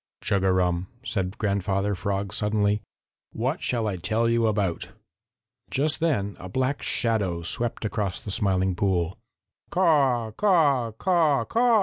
"Chug a rum!" said Grandfather Frog suddenly. "What shall I tell you about?" Just then a black shadow swept across the Smiling Pool. "Caw, caw, caw, caw!"